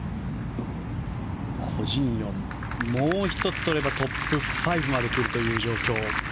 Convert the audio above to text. コ・ジンヨン、もう１つとればトップ５までくるという状況。